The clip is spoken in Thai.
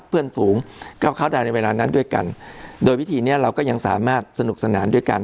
เพื่อนฝูงเข้าเข้าได้ในเวลานั้นด้วยกันโดยวิธีเนี้ยเราก็ยังสามารถสนุกสนานด้วยกัน